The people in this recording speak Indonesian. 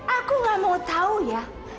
aku gak mau tahu ya